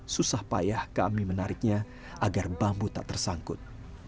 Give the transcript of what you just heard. susah payah kami menariknya agar bambu tak tersangkut